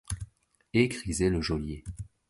Et griser le geôlier.